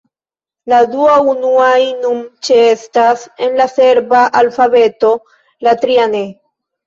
La du unuaj nun ĉeestas en la serba alfabeto, la tria ne.